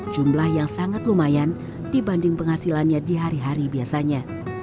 jumlah yang sangat lumayan dibanding penghasilannya di hari hari biasanya